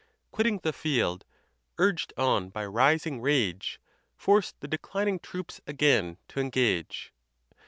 Quitting the field ; urged on by rising rage, Forced the declining troops again t' engage.